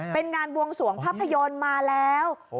เป็นงานบวงสวงภาพยนตร์มาแล้ว